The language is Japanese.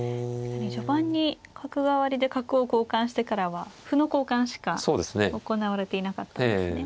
序盤に角換わりで角を交換してからは歩の交換しか行われていなかったんですね。